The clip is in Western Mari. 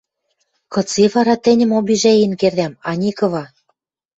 – Кыце вара тӹньӹм обижӓен кердӓм, Ани кыва?